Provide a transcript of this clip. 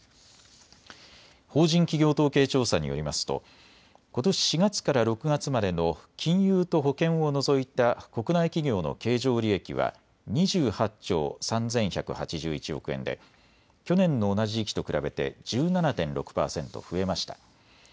法人企業統計調査によりますとことし４月から６月までの金融と保険を除いた国内企業の経常利益は２８兆３１８１億円で去年の同じ時期と比べて１７．６％増えました。